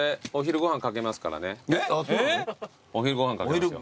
えっ！？お昼ご飯賭けますよ。